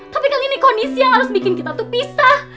tapi kan ini kondisi yang harus bikin kita tuh pisah